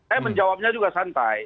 eh menjawabnya juga santai